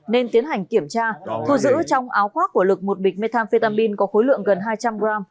nên tiến hành kiểm tra thu giữ trong áo khoác của lực một bịch methamphetamin có khối lượng gần hai trăm linh g